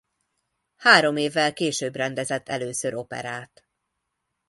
Három évvel később rendezett először operát.